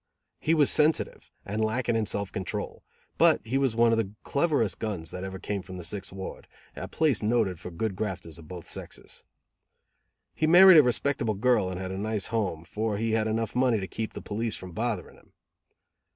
He was sensitive, and lacking in self control, but he was one of the cleverest guns that ever came from the Sixth Ward, a place noted for good grafters of both sexes. He married a respectable girl and had a nice home, for he had enough money to keep the police from bothering him.